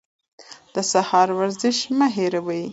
د سهار ورزش مه هېروئ.